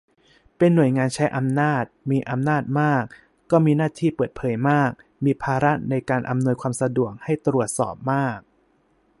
เป็นหน่วยงานใช้อำนาจ มีอำนาจมาก ก็มีหน้าที่เปิดเผยมาก มีภาระในการอำนวยความสะดวกให้ตรวจสอบมาก